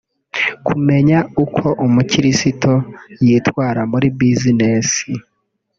kumenya uko umukirisito yitwara muri business